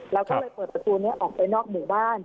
เราก็เลยเปิดประตูนี้ออกไปนอกหมู่บ้าน